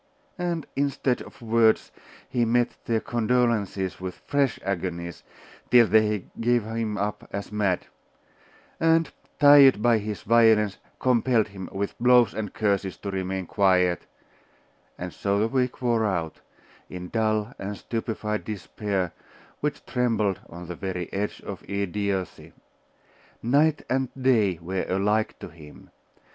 And instead of words, he met their condolences with fresh agonies, till they gave him up as mad; and, tired by his violence, compelled him, with blows and curses, to remain quiet; and so the week wore out, in dull and stupefied despair, which trembled on the very edge of idiocy. Night and day were alike to him.